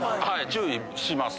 注意します。